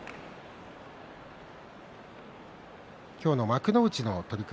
今日の幕内の取組